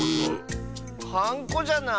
はんこじゃない？